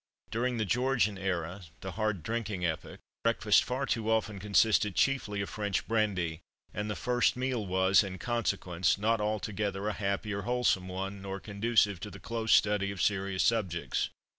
During the Georgian era, the hard drinking epoch, breakfast far too often consisted chiefly of French brandy; and the first meal was, in consequence, not altogether a happy or wholesome one, nor conducive to the close study of serious subjects.